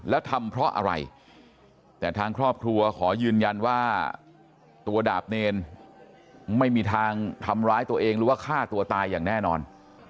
แล้วทำเพราะอะไรแต่ทางครอบครัวขอยืนยันว่าตัวดาบเนรไม่มีทางทำร้ายตัวเองหรือว่าฆ่าตัวตายอย่างแน่นอน